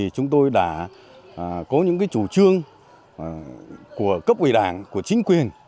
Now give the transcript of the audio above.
chúng tôi đã có những chủ trương của cấp ủy đảng của chính quyền